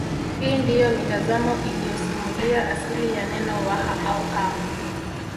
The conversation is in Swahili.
Hii ndiyo mitazamo iliyosimulia asili ya neno Waha au Ha